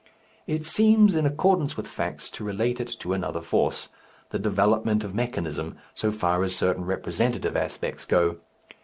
It seems in accordance with facts to relate it to another force, the development of mechanism, so far as certain representative aspects go.